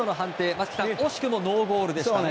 松木さん、惜しくもノーゴールでしたね。